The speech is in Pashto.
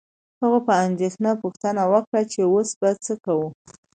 هغه په اندیښنه پوښتنه وکړه چې اوس به څه کوو